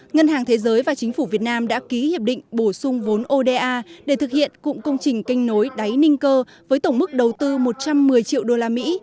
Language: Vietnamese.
ngân hàng thế giới và chính phủ việt nam đã ký hiệp định bổ sung vốn oda để thực hiện cụm công trình kênh nối đáy ninh cơ với tổng mức đầu tư một trăm một mươi triệu đô la mỹ